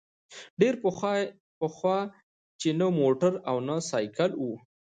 ډېر پخوا چي نه موټر او نه سایکل وو